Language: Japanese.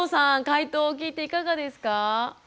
回答を聞いていかがですか？